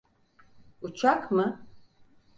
Uçak mı?